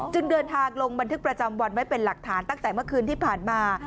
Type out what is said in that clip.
จึงเดินทางลงบันทึกประจำวันไว้เป็นหลักฐานตั้งแต่เมื่อคืนที่ผ่านมา